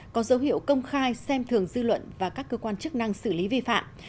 có dấu hiệu công khai xem thường dư luận và các cơ quan chức năng xử lý vi phạm